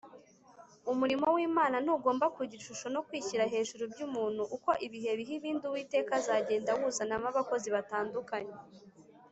Umurimo w’Imana ntugomba kugira ishusho no kwishyira hejuru by’umuntu. Uko ibihe biha ibindi Uwiteka azagenda awuzanamo abakozi batandukanye